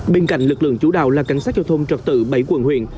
bên cạnh lực lượng chủ đạo là cảnh sát giao thông trật tự bảy quận huyện